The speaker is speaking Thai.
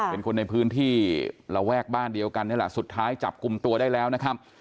เป็นคนในพื้นที่ระแวกบ้านเดียวกันนี่แหละสุดท้ายจับกลุ่มตัวได้แล้วนะครับ